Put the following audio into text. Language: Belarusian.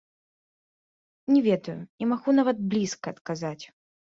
Не ведаю, не магу нават блізка адказаць.